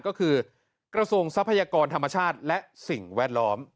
ก็คือกระทรวงทรัพยากรธรรมชาติและสิ่งแวดล้อม